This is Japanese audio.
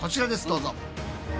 どうぞ。